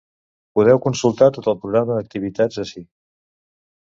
Podeu consultar tot el programa d’activitats ací.